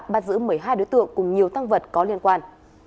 bắt giữ một mươi hai đối tượng cùng nhiều tăng vật có liên quan